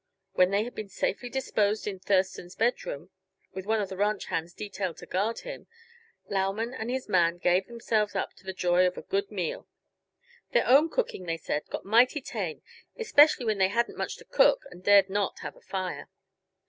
When they had been safely disposed in Thurston's bedroom, with one of the ranch hands detailed to guard them, Lauman and his man gave themselves up to the joy of a good meal. Their own cooking, they said, got mighty tame especially when they hadn't much to cook and dared not have a fire.